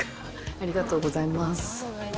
ありがとうございます。